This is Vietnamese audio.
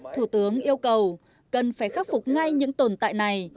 thủ tướng yêu cầu cần phải khắc phục ngay những tồn tại này